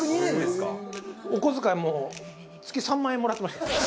お小遣いも月３万円もらってました。